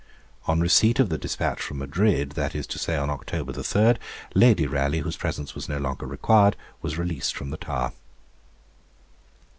On receipt of the despatch from Madrid, that is to say on October 3, Lady Raleigh, whose presence was no longer required, was released from the Tower.